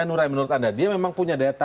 pandemik ini memperbaiki sebenarnya tightly flea